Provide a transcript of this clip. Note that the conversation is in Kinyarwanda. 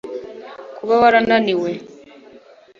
kuba warananiwe